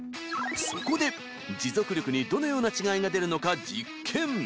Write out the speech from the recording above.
そこで持続力にどのような違いが出るのか実験